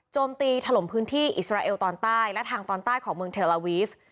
ตีถล่มพื้นที่อิสราเอลตอนใต้และทางตอนใต้ของเมืองเทลลาวีฟ